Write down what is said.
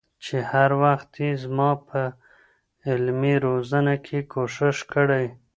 چې هر وخت يې زما په علمي روزنه کي کوښښ کړي